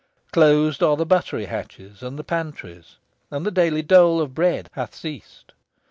Closed are the buttery hatches and the pantries; and the daily dole of bread hath ceased.